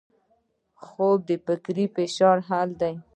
خوب د فکري فشار حل دی